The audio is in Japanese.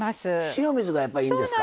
塩水がやっぱいいんですか。